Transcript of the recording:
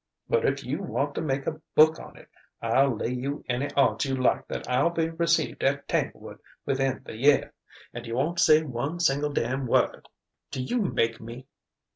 But if you want to make a book on it, I'll lay you any odds you like that I'll be received at Tanglewood within the year, and you won't say one single damn' word. Do you make me?"